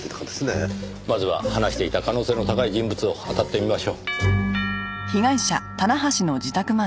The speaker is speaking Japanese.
まずは話していた可能性の高い人物を当たってみましょう。